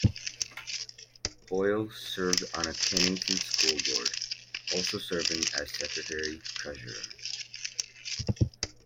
Hoyle served on the Cannington School Board, also serving as secretary treasurer.